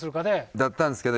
だったんですけど